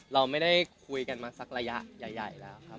เราไม่ได้คุยกันมาสักระยะใหญ่แล้วครับ